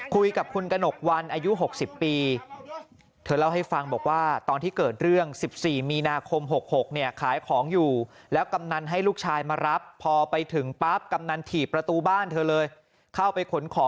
คุยกับคุณกนกวัลอายุ๖๐ปี